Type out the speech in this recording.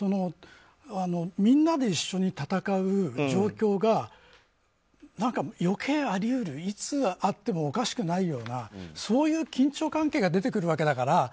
みんなで一緒に戦う状況が余計あり得る、いつあってもおかしくないようなそういう緊張関係が出てくるわけだから。